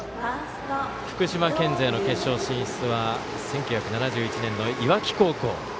福島県勢の決勝進出は１９７１年の磐城高校。